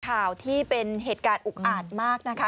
ข่าวที่เป็นเหตุการณ์อุกอาจมากนะคะ